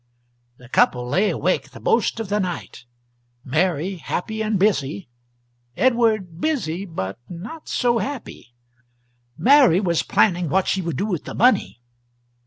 The couple lay awake the most of the night, Mary happy and busy, Edward busy, but not so happy. Mary was planning what she would do with the money.